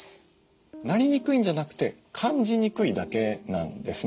なりにくいんじゃなくて感じにくいだけなんですね。